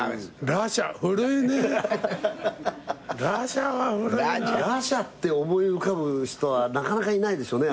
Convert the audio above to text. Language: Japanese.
ラシャって思い浮かぶ人はなかなかいないでしょうね。